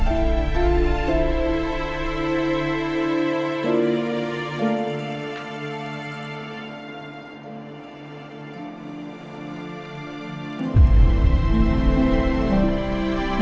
aku mau ke rumah